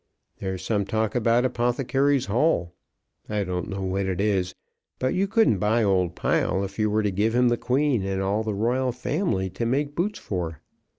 There's some talk about Apothecary's Hall; I don't know what it is. But you couldn't buy old Pile if you were to give him the Queen and all the Royal family to make boots for."